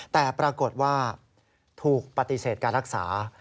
แต่ปรากฏว่าถูกปฏิเสธการรักษา